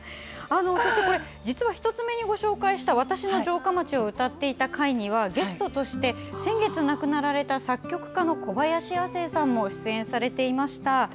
実は１つ目にご紹介した「わたしの城下町」を歌っていた回にはゲストとして、先月亡くなられた作曲家の小林亜星さんも出演されていました。